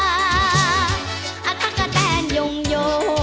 อัตกะแตนยงโย